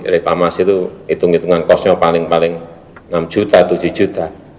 reklamasi itu hitung hitungan kosnya paling paling enam juta tujuh juta